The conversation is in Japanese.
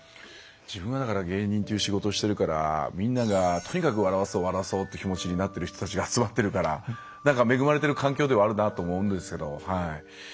自分は芸人っていう仕事をしてるからみんながとにかく笑わそう笑わそうって気持ちになってる人たちが集まってるからなんか恵まれてる環境ではあるなと思うんですけど。